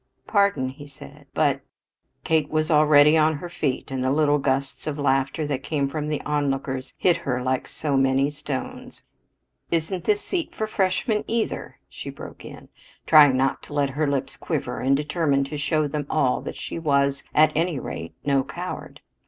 "Pardon," he said, "but " Kate already was on her feet and the little gusts of laughter that came from the onlookers hit her like so many stones. "Isn't this seat for freshmen either?" she broke in, trying not to let her lips quiver and determined to show them all that she was, at any rate, no coward.